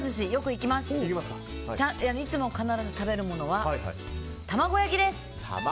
いつも必ず食べるものはたまご焼きです。